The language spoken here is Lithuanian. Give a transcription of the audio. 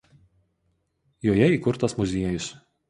Joje įkurtas muziejus.